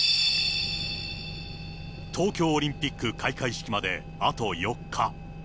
東京オリンピック開会式まであと４日。